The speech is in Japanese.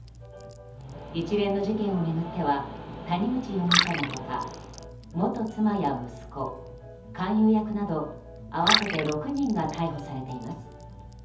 一連の事件を巡っては谷口容疑者の他元妻や息子、勧誘役など合わせて６人が逮捕されています。